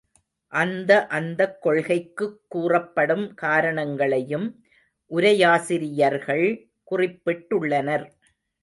அந்த அந்தக் கொள்கைக்குக் கூறப்படும் காரணங்களையும் உரையாசிரியர்கள் குறிப்பிட்டுள்ளனர்.